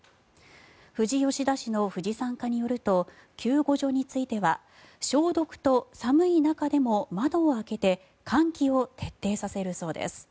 富士吉田市の富士山課によると救護所については消毒と寒い中でも窓を開けて換気を徹底させるそうです。